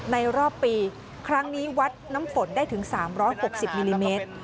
รอบปีครั้งนี้วัดน้ำฝนได้ถึง๓๖๐มิลลิเมตร